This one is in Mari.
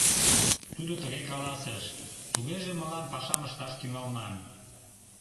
Тудо тыге каласыш: «Тугеже мылам пашам ышташ тӱҥалман.